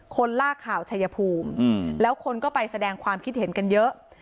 ลากข่าวชัยภูมิแล้วคนก็ไปแสดงความคิดเห็นกันเยอะ